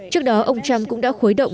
trước đó ông trump cũng đã khối động